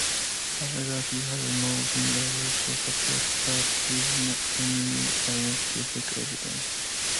However, he has not been able to support that with any scientific evidence.